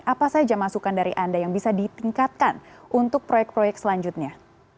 apa saja masukan dari anda yang bisa ditingkatkan untuk proyek proyek selanjutnya